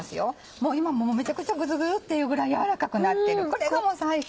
もう今めちゃくちゃグズグズっていうぐらい軟らかくなってるこれがもう最高。